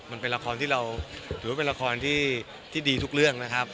มันเป็นละครที่เราถือว่าเป็นละครที่ดีทุกเรื่องนะครับ